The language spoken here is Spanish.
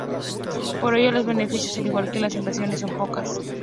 Por ello, los beneficios al igual que las inversiones son pocas.